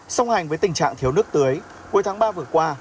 song hành với tình trạng thiếu nước tưới cuối tháng ba vừa qua